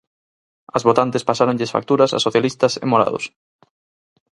As votantes pasáronlles facturas a socialistas e morados.